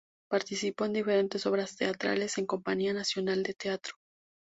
Participó en diferentes obras teatrales en compañía nacional de teatro.